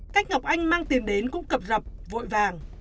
cách ngọc anh mang tiền đến cũng cập rập vội vàng